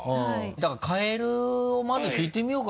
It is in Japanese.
だからかえるをまず聞いてみようか。